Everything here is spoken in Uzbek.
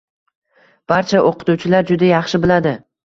Barcha o‘qituvchilar juda yaxshi biladi.